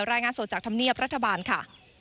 รายงานสดจากธรรมเนียบรัฐบาลค่ะ